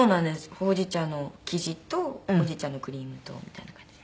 ほうじ茶の生地とほうじ茶のクリームとみたいな感じで。